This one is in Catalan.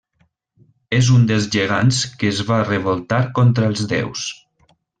És un dels gegants que es va revoltar contra els déus.